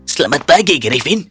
selamat pagi griffin